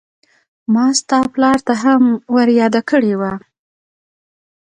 ما ستا پلار ته هم ور ياده کړې وه.